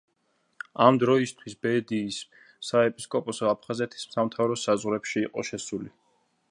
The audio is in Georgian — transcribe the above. ამ დროისათვის ბედიის საეპისკოპოსო აფხაზეთის სამთავროს საზღვრებში იყო შესული.